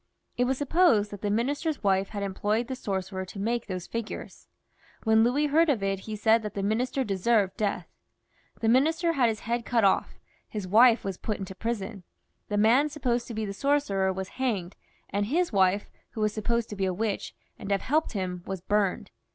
It was supposed that the Minister's wife had employed the sorcerer to make these figures. When Louis heard of it he said that the Minister deserved death. The Minister had his head cut off, his wife was put into prison ; the man supposed to be the sorcerer was hanged, and his wife, who was supposed to be a witch. XXII.] LOUIS X, {LE HUTIN), 141 and to have helped him, was burned.